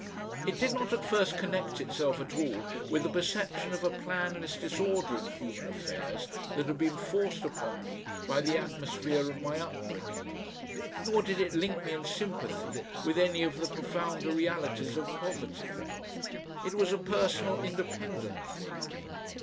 It did not at first connect itself at all with the perception of a planless disorder in human affairs that had been forced upon me by the atmosphere of my upbringing, nor did it link me in sympathy with any of the profounder realities of poverty. It was a personal independent thing.